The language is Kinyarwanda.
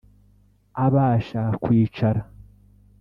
Abasha kwicara